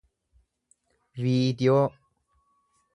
viidiyoo